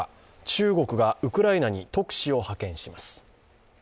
中国がウクライナに特使を派遣します。